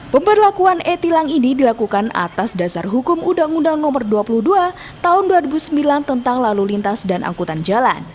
pemberlakuan e tilang ini dilakukan atas dasar hukum undang undang no dua puluh dua tahun dua ribu sembilan tentang lalu lintas dan angkutan jalan